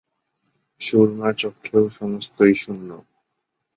সুরমার চক্ষেও সমস্তই শূন্য।